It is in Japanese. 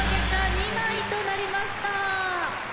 ２枚となりました。